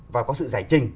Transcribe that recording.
và có sự giải trình